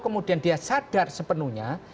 kemudian dia sadar sepenuhnya